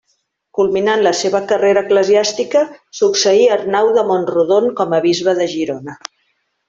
Culminant la seva carrera eclesiàstica, succeí Arnau de Mont-rodon com a bisbe de Girona.